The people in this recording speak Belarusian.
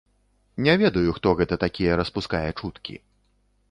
Не ведаю, хто гэта такія распускае чуткі.